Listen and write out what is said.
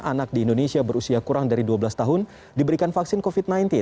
anak di indonesia berusia kurang dari dua belas tahun diberikan vaksin covid sembilan belas